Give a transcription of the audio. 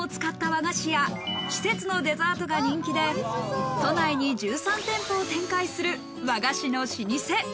自家製餡を使った和菓子や季節のデザートが人気で、都内に１３店舗を展開する和菓子の老舗。